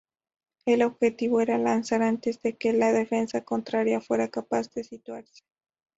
El objetivo era lanzar antes de que la defensa contraria fuera capaz de situarse.